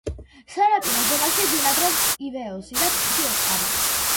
სანაპირო ზონაში ბინადრობს ივეოსი და თეთრი ოყარი.